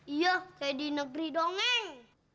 iya kayak di negeri dongeng